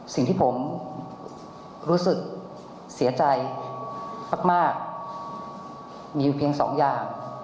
สิ่งที่ผมรู้สึกเสียใจมากมีอยู่เพียงสองอย่าง